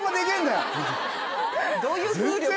どういう風力？